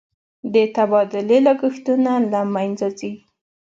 د تبادلې لګښتونه له مینځه ځي.